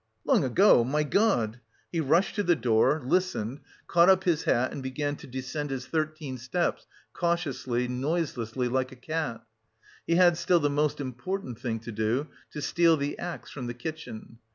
"Long ago! My God!" He rushed to the door, listened, caught up his hat and began to descend his thirteen steps cautiously, noiselessly, like a cat. He had still the most important thing to do to steal the axe from the kitchen.